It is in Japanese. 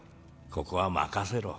ここは任せろ。